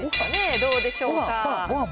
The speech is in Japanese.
どうでしょうか。